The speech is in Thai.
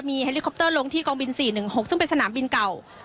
เฮลิคอปเตอร์ลงที่กองบิน๔๑๖ซึ่งเป็นสนามบินเก่า